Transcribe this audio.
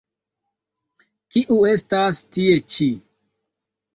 Kiu estas tie ĉi?